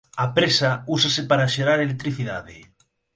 A presa úsase para xerar electricidade.